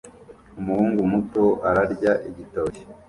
Umuhungu muto ararya igitoki